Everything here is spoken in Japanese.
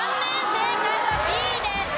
正解はＢです。